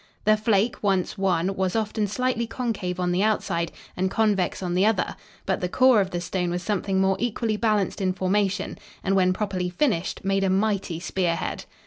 The flake, once won, was often slightly concave on the outside and convex on the other, but the core of the stone was something more equally balanced in formation and, when properly finished, made a mighty spearhead.